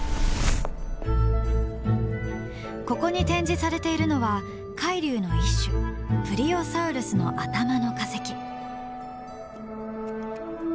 ここに展示されているのは海竜の一種プリオサウルスの頭の化石。